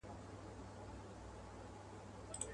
چي پر اوښ دي څه بار کړي دي څښتنه.